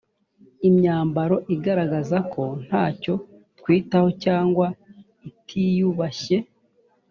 imyambaro igaragaza ko nta cyo twitaho cyangwa itiyubashye